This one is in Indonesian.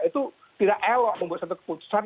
itu tidak elok membuat satu keputusan